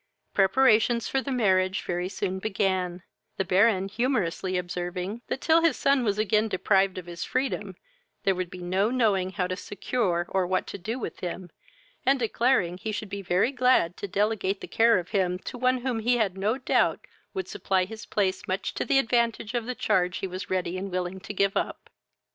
Preparations for the marriage very soon began, the Baron humourously observing, that, till his son was again deprived of his freedom, there would be no knowing how to secure, or what to do with him, and declaring he should be very glad to delegate the care of him to one whom he had no doubt would supply his place much to the advantage of the charge he was ready and willing to give up.